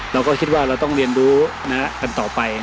เราก็คิดว่าเราต้องเรียนรู้กันต่อไป